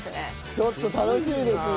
ちょっと楽しみですね。